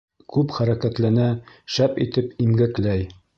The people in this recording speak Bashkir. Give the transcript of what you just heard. Күп хәрәкәтләнә, шәп итеп имгәкләй.